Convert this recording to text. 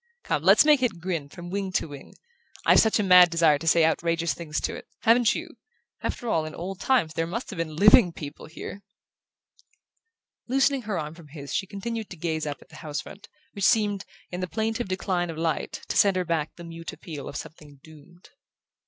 Come, let's make it grin from wing to wing! I've such a mad desire to say outrageous things to it haven't you? After all, in old times there must have been living people here!" Loosening her arm from his she continued to gaze up at the house front, which seemed, in the plaintive decline of light, to send her back the mute appeal of something doomed.